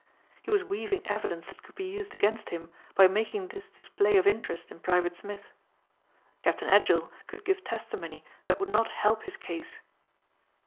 He was weaving evidence that could be used against him by making this display of interest in Private Smith. Captain Edgell could give testimony that would not help his case.